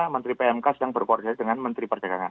menteri pmk sedang berkoordinasi dengan menteri perdagangan